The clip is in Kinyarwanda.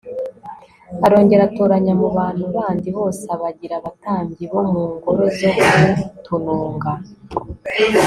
arongera atoranya mu bantu bandi bose abagira abatambyi bo mu ngoro zo ku tununga